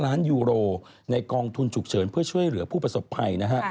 ล้านยูโรในกองทุนฉุกเฉินเพื่อช่วยเหลือผู้ประสบภัยนะฮะ